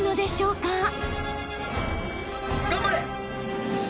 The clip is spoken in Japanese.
頑張れ！